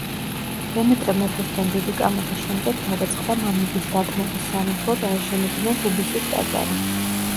დემეტრე მეფესთან დიდი კამათის შემდეგ გადაწყდა მამების დათმობის სანაცვლოდ აეშენებინათ უბისის ტაძარი.